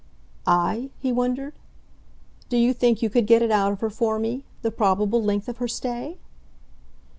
"I?" he wondered. "Do you think you could get it out of her for me the probable length of her stay?"